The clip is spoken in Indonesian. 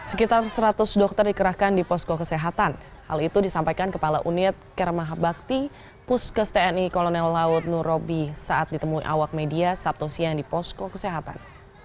sekitar seratus dokter dikerahkan di posko kesehatan hal itu disampaikan kepala unit kermahabakti puskes tni kolonel laut nurobi saat ditemui awak media sabtu siang di posko kesehatan